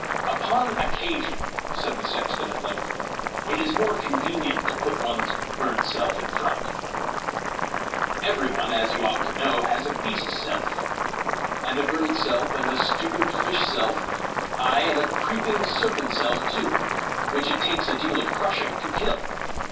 "Upon occasion," said the sexton at length, "it is more convenient to put one's bird self in front. Every one, as you ought to know, has a beast self and a bird self, and a stupid fish self, ay, and a creeping serpent self too which it takes a deal of crushing to kill!